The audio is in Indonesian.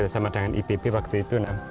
sama dengan ipp waktu itu